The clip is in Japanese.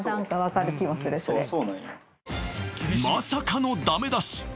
そうまさかのダメ出し